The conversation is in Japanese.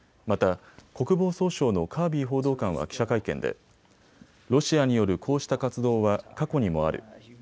また、国防総省のカービー報道官は記者会見でロシアによるこうした活動は過去にもある。